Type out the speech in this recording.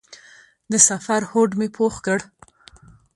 د سفر هوډ مې پوخ کړ.